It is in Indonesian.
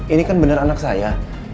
ini kan benar anak saya